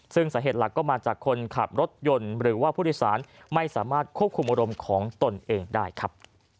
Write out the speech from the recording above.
ซึ่งสาเหตุหลักก็มาจากคนขับรถยนต์หรือว่าผู้โดยสารไม่สามารถควบคุมอารมณ์ของตนเองได้ครับ